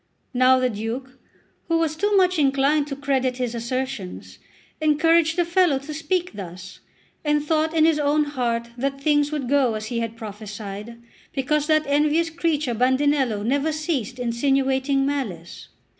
Now the Duke, who was too much inclined to credit his assertions, encouraged the fellow to speak thus, and thought in his own heart that things would go as he had prophesied, because that envious creature Bandinello never ceased insinuating malice.